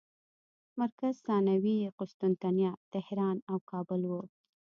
مرکز ثانوي یې قسطنطنیه، طهران او کابل وو.